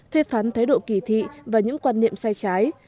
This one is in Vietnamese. phê phán thái độ kỳ thị và những quan niệm sai trái